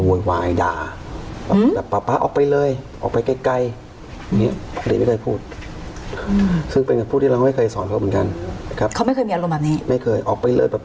โอ้โหนี่ก็เปลี่ยนแปลงโดยเห็นชัดเจนเลยครับ